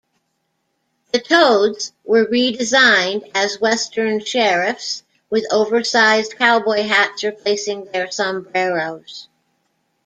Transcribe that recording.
The toads were redesigned as western sheriffs with oversized cowboy hats replacing their sombreros.